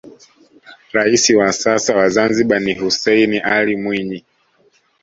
raisi wa sasa wa zanzibar ni hussein alli mwinyi